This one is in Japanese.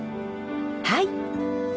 はい。